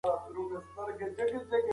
ايا مادي وسايل له غير مادي وسايلو غوره دي؟